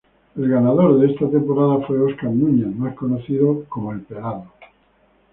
El ganador de esta temporada fue Óscar Núñez, más conocido como "El Pelado".